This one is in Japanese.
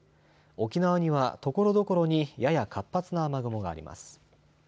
沖縄にはところどころにやや活発な雨雲があります。